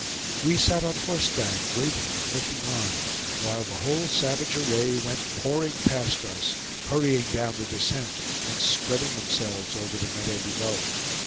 We sat on horseback, waiting and looking on, while the whole savage array went pouring past us, hurrying down the descent and spreading themselves over the meadow below.